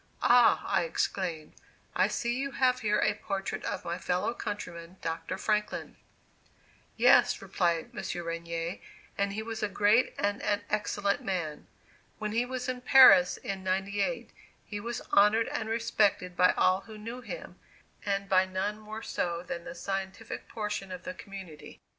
"Ah!" I exclaimed, "I see you have here a portrait of my fellow countryman, Dr. Franklin." "Yes," replied M. Regnier, "and he was a great and an excellent man. When he was in Paris in '98, he was honored and respected by all who knew him, and by none more so than by the scientific portion of the community.